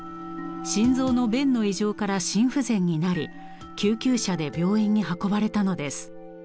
心臓の弁の異常から心不全になり救急車で病院に運ばれたのです。